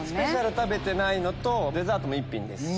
食べてないのとデザートも１品ですし。